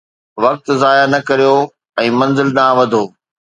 وقت ضايع نه ڪريو ۽ منزل ڏانهن وڌو